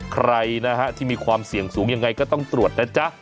ใครนะฮะที่มีความเสี่ยงสูงยังไงก็ต้องตรวจนะจ๊ะ